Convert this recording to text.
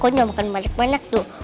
kok nyobakan banyak banyak tuh